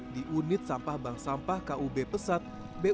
di unit sampah bank sampah kub pesat bumn